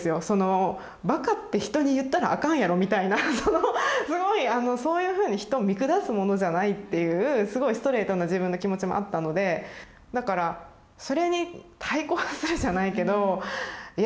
バカって人に言ったらあかんやろみたいなすごいそういうふうに人を見下すものじゃないっていうすごいストレートな自分の気持ちもあったのでだからそれに対抗するじゃないけどいや